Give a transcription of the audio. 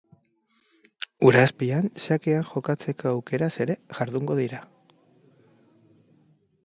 Ur azpian xakean jokatzeko aukeraz ere jardungo dira.